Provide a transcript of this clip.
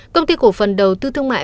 công ty cổ phần đầu tư thương mại